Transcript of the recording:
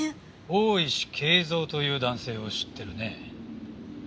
大石恵三という男性を知ってるね。